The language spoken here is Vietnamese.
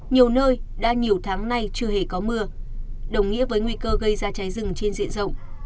nhiều nơi đã nhiều tháng nay chưa hề có mưa đồng nghĩa với nguy cơ gây ra cháy rừng trên diện rộng